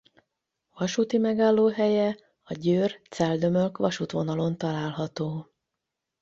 Vasúti megállóhelye a Győr–Celldömölk-vasútvonalon található.